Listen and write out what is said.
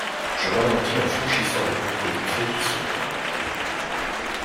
Je ralentis en franchissant les portes vitrées qui s’ouvrent.